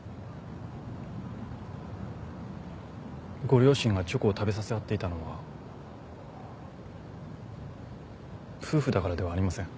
ご両親がチョコを食べさせ合っていたのは夫婦だからではありません。